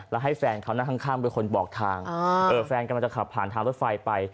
แล้วให้แฟนเขานั่งข้างเป็นคนบอกทางแฟนกำลังจะขับผ่านทางรถไฟไป